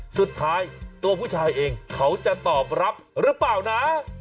สุดท้ายตัวผู้ชายเองเขาจะตอบรับหรือเปล่านะ